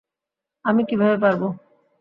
আমি কিভাবে পারবো?